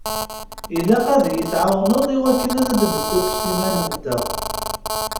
Ilaq ad yi-tɛawneḍ i wakken ad d-nessukkes iman-nteɣ.